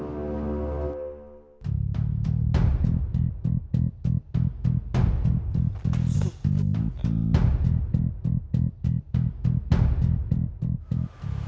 daripada nggak kerja